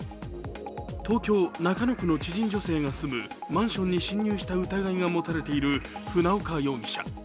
東京・中野区の知人女性が住むマンションに侵入した疑いが持たれている船岡容疑者。